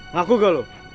ngaku gak lu